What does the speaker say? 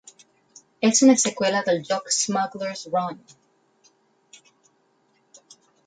És una seqüela del joc "Smuggler's Run".